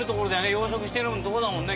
養殖してるようなとこだもんね。